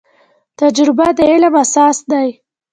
تجربه د علم اساس دی